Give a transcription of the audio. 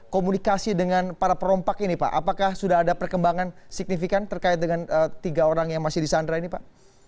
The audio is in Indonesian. komunikasi dengan para perompak ini pak apakah sudah ada perkembangan signifikan terkait dengan tiga orang yang masih di sandra ini pak